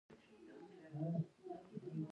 احمد خپل زوی ته څیرلې خبرې وکړې.